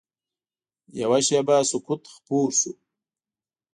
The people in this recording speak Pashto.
یوه شېبه سکوت خور شو.